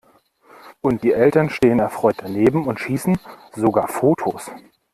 Und die Eltern stehen erfreut daneben und schießen sogar Fotos!